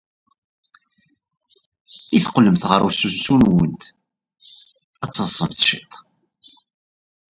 I teqqlemt ɣer usensu-nwent, ad teḍḍsemt cwiṭ?